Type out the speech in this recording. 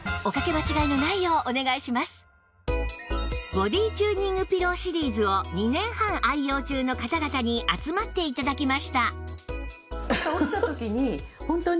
ボディーチューニングピローシリーズを２年半愛用中の方々に集まって頂きました